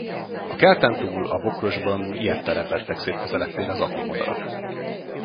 A kerten túl, a bokrosban ijedten rebbentek szét közeledtére az apró madarak.